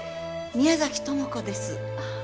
宮崎知子です。